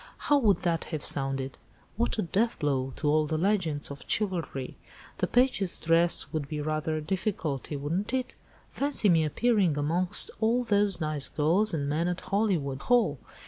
How would that have sounded? What a deathblow to all the legends of chivalry! The page's dress would be rather a difficulty, wouldn't it? Fancy me appearing amongst all those nice girls and men at Hollywood Hall!